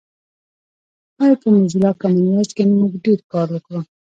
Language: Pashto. باید په موزیلا کامن وایس کې مونږ ډېر کار وکړو